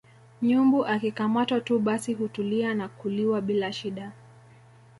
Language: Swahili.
nyumbu akikamatwa tu basi hutulia na kuliwa bila shida